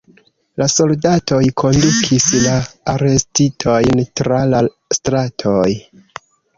La soldatoj kondukis la arestitojn tra la stratoj.